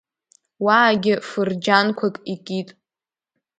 Уаагьы фырџьанқәак икит.